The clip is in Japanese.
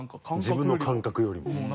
自分の感覚よりも。